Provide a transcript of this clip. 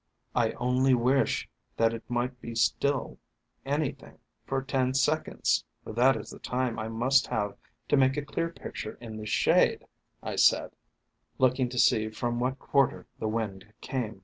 "I only wish that it might be still anything for ten seconds, for that is the time I must have to make a clear picture in this shade," I said, look ing to see from what quarter the wind came.